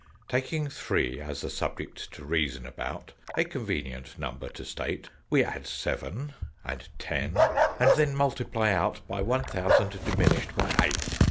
"Taking Three as the subject to reason about A convenient number to state We add Seven, and Ten, and then multiply out By One Thousand diminished by Eight.